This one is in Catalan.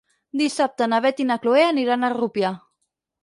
Dissabte na Beth i na Chloé aniran a Rupià.